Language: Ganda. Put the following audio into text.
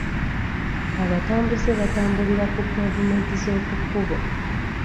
Abatambuze batambulira ku pevumenti z'oku kkubo.